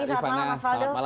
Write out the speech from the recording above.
selamat malam mas faldo